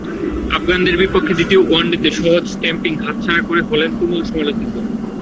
আফগানদের বিপক্ষে দ্বিতীয় ওয়ানডেতে সহজ স্টাম্পিং হাতছাড়া করে হলেন তুমুল সমালোচিত।